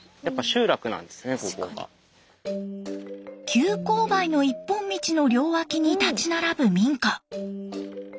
急勾配の一本道の両脇に立ち並ぶ民家。